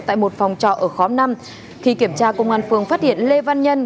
tại một phòng trọ ở khóm năm khi kiểm tra công an phường phát hiện lê văn nhân